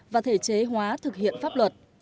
và thể chế hóa thực hiện pháp luật